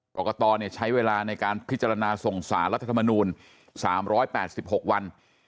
กรกตใช้เวลาในการพิจารณาส่งสารรัฐธรรมนูล๓๘๖วัน